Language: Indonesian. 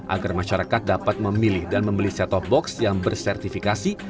agar masyarakat dapat memilih dan membeli set top box yang bersertifikasi